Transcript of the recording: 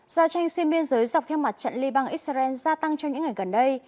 giao tranh xuyên biên giới dọc theo mặt trận liban israel gia tăng trong những ngày gần đây